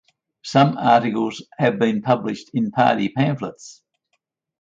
Some articles have been published in party pamphlets.